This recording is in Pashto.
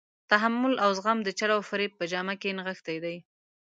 تحمل او زغم د چل او فریب په جامه کې نغښتی دی.